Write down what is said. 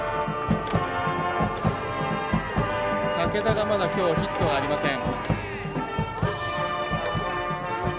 武田がまだきょうヒットはありません。